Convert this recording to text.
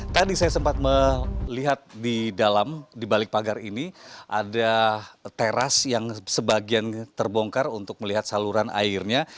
tadi saya sempat melihat di dalam di balik pagar ini ada teras yang sebagian terbongkar untuk melihat saluran airnya